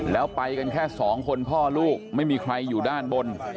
แล้วไปกันแค่สองคนพ่อลูกไม่มีใครอยู่ด้านบน